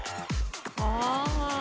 ああ。